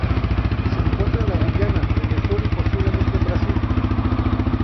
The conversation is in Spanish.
Se encuentra en la Guyana, Venezuela y, posiblemente, Brasil.